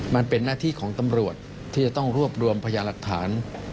มันเป็นหน้าที่ของตำรวจที่จะต้องรวบรวมพยาหลักฐาน